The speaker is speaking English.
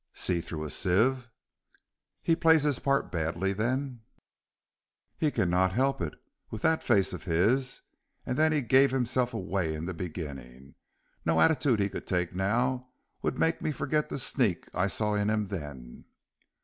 "See through a sieve?" "He plays his part badly, then?" "He cannot help it, with that face of his; and then he gave himself away in the beginning. No attitude he could take now would make me forget the sneak I saw in him then."